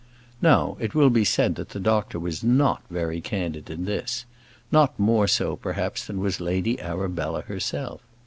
Now, it will be said that the doctor was not very candid in this; not more so, perhaps, than was Lady Arabella herself.